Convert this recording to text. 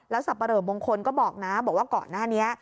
สับปะเหลอมงคลก็บอกนะบอกว่าก่อนหน้านี้